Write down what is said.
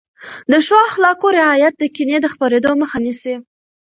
د ښو اخلاقو رعایت د کینې د خپرېدو مخه نیسي.